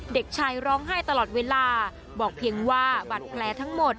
เด็กชายร้องไห้ตลอดเวลาบอกเพียงว่าบาดแผลทั้งหมด